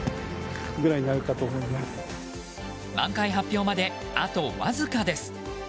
満開発表まであとわずかです。